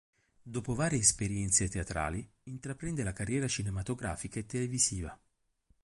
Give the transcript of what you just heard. Dopo varie esperienze teatrali, intraprende la carriera cinematografica e televisiva.